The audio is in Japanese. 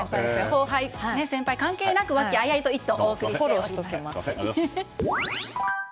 後輩先輩関係なく和気あいあいと「イット！」お送りしております。